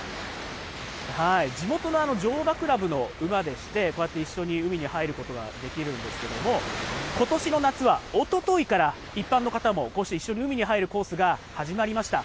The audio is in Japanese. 地元の乗馬クラブの馬でして、こうやって一緒に海に入ることができるんですけれども、ことしの夏は、おとといから一般の方も、こうして一緒に海に入るコースが始まりました。